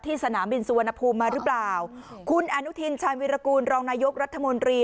สนามบินสุวรรณภูมิมาหรือเปล่าคุณอนุทินชาญวิรากูลรองนายกรัฐมนตรี